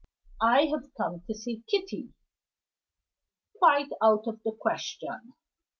"I have come to see Kitty." "Quite out of the question."